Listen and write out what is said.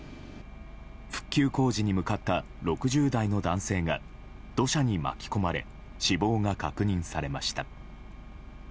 復旧工事に向かった６０代の男性が土砂に巻き込まれ死亡が確認されました。